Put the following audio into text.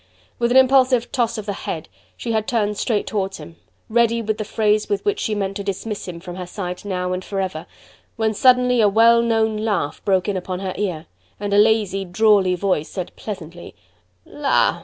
With an impulsive toss of the head, she had turned straight towards him, ready with the phrase with which she meant to dismiss him from her sight now and forever, when suddenly a well known laugh broke in upon her ear, and a lazy, drawly voice said pleasantly: "La!